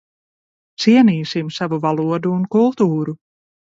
Cienīsim savu valodu un kultūru!